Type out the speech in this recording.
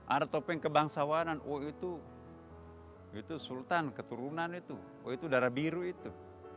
ada topeng kebangsawanan wah itu sultan keturunan itu wah itu darah biru itu